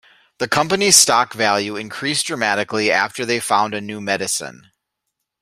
The company's stock value increased dramatically after they found a new medicine.